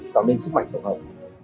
tạo nên sức mạnh tổng hợp